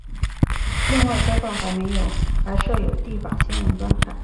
另外该报还设有地方新闻专版。